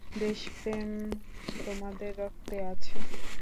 দেশপ্রেম তোমাদের রক্তে আছে।